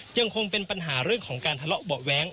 ยังคงเป็นปัญหาเรื่องของการทะเลาะเบาะแว้ง